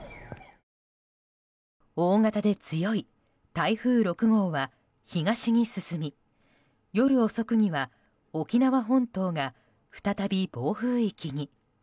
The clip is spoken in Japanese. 大型で強い台風６号は東に進み夜遅くには沖縄本島が再び暴風域に。